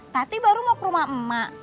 tati baru mau ke rumah emak